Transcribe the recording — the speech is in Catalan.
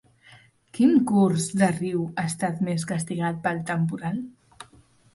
Quin curs de riu ha estat més castigat pel temporal?